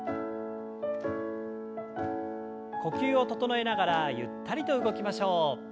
呼吸を整えながらゆったりと動きましょう。